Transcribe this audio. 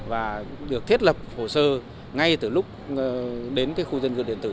và được thiết lập hồ sơ ngay từ lúc đến khu dân cư điện tử